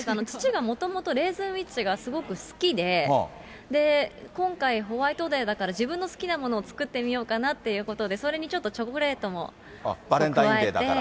父がもともとレーズンウイッチがすごく好きで、今回、ホワイトデーだから自分の好きなものを作ってみようかなっていうことで、それにちょっとチョコレートも加えて。